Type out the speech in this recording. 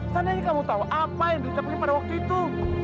tandanya kamu tahu apa yang dicapai pada waktu itu